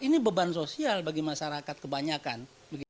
ini beban sosial bagi masyarakat kebanyakan